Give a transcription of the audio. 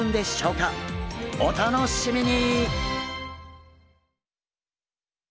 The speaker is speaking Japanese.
お楽しみに！